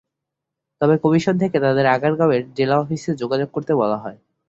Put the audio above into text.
তবে কমিশন থেকে তাঁদের আগারগাঁওয়ের জেলা অফিসে যোগাযোগ করতে বলা হয়।